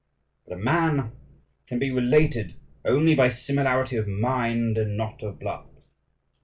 But a man can be related only by similarity of mind and not of blood.